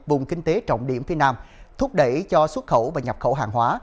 vùng kinh tế trọng điểm phía nam thúc đẩy cho xuất khẩu và nhập khẩu hàng hóa